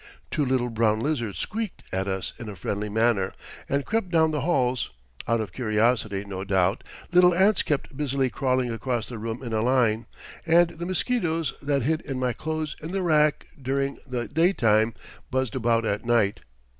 Two little brown lizards squeaked at us in a friendly manner, and crept down the walls, out of curiosity, no doubt, little ants kept busily crawling across the room in a line, and the mosquitoes that hid in my clothes in the rack during the daytime buzzed about at night.